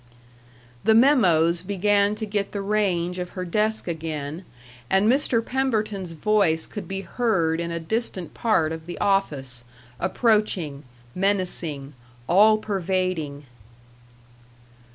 The memoes began to get the range of her desk again, and Mr. Pemberton's voice could be heard in a distant part of the office, approaching, menacing, all pervading.